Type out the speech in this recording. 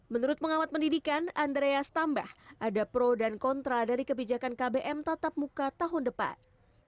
menurut pengamat pendidikan andreas tambah ada pro dan kontra dari kebijakan kbm tatap muka tahun depan